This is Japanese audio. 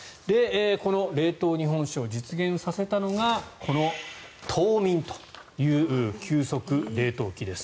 この冷凍日本酒を実現させたのがこの凍眠という急速冷凍機です。